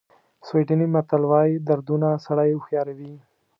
سویډني متل وایي دردونه سړی هوښیاروي.